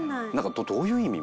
「どういう意味？」